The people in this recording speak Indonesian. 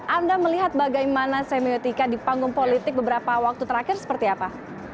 anda melihat bagaimana semiotika di panggung politik beberapa waktu terakhir seperti apa